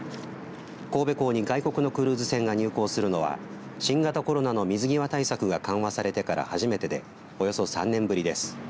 神戸港に外国のクルーズ船が入港するのは新型コロナの水際対策が緩和されてから初めてでおよそ３年ぶりです。